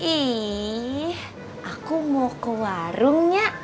ih aku mau ke warungnya